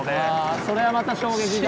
あそれはまた衝撃が。